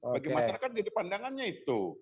bagi masyarakat jadi pandangannya itu